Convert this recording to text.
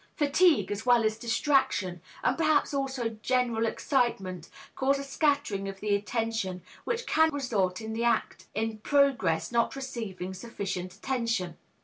Fatigue, as well as distraction, and perhaps also general excitement, cause a scattering of the attention which can result in the act in progress not receiving sufficient attention.